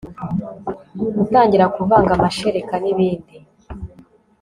gutangira kuvanga amashereka n ibindi